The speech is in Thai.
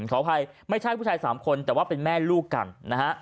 ขออภัยไม่ใช่ผู้ชาย๓คนแต่ว่าเป็นแม่ลูกกันนะฮะ